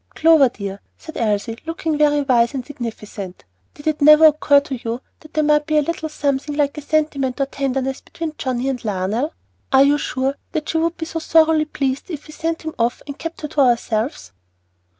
"Clover dear," said Elsie, looking very wise and significant, "did it never occur to you that there might be a little something like a sentiment or tenderness between John and Lionel? Are you sure that she would be so thoroughly pleased if we sent him off and kept her to ourselves?"